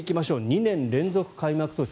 ２年連続開幕投手